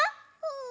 うん。